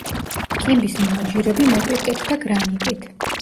კიბის მოაჯირები მოპირკეთდა გრანიტით.